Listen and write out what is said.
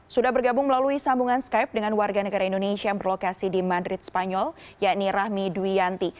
sudah bergabung melalui sambungan skype dengan warga negara indonesia yang berlokasi di madrid spanyol yakni rahmi duyanti